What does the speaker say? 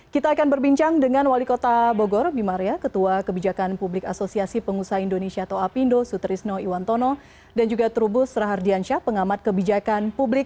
kita akan berbincang dengan wali kota bogor bimaria ketua kebijakan publik asosiasi pengusaha indonesia atau apindo sutrisno iwantono dan juga trubus rahardiansyah pengamat kebijakan publik